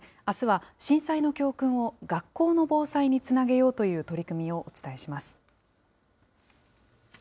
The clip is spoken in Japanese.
あすは、震災の教訓を学校の防災につなげようという取り組みをお伝えします。